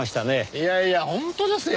いやいや本当ですよ！